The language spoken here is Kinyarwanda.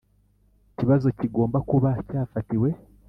Kibazo kigomba kuba cyafatiwe